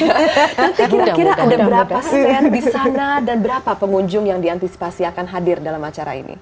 nanti kira kira ada berapa stand di sana dan berapa pengunjung yang diantisipasi akan hadir dalam acara ini